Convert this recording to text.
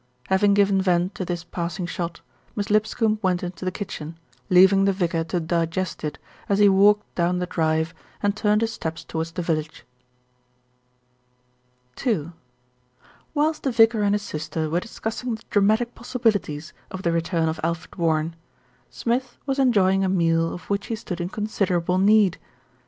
Having given vent to this passing shot, Miss Lip scombe went into the kitchen, leaving the vicar to digest it as he walked down the drive and turned his steps towards the village. II Whilst the vicar and his sister were discussing the dramatic possibilities of the return of Alfred Warren, Smith was enjoying a meal of which he stood in con siderable need.